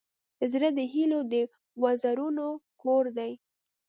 زړه د هيلو د وزرونو کور دی.